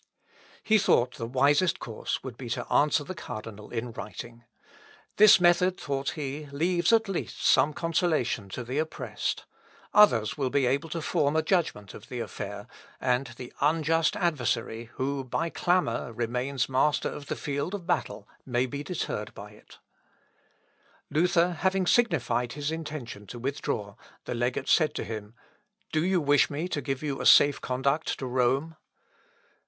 He thought the wisest course would be to answer the cardinal in writing. This method, thought he, leaves at least some consolation to the oppressed. Others will be able to form a judgment of the affair, and the unjust adversary, who, by clamour, remains master of the field of battle, may be deterred by it. Luth. Op. (L.) p. 209. Luther having signified his intention to withdraw, the legate said to him, "Do you wish me to give you a safe conduct to Rome?"